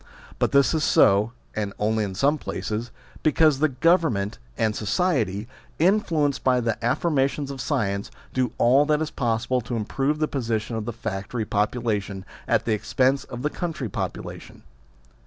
But this is so (and only in some places) because the Government and society, influenced by the affirmations of science, do all that is possible to improve the position of the factory popu lation at the expense of the country popula tion.